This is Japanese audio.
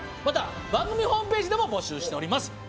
また番組ホームページでも募集しております。